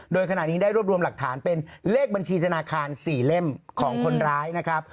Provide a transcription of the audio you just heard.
โดยขณะนี้ได้รวบรวมหลักฐานเป็นเลขบัญชีธนาคาร๔เล่มของคนร้ายนะครับ